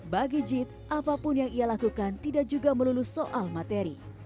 bagi jit apapun yang ia lakukan tidak juga melulu soal materi